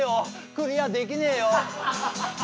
クリアできねえよ。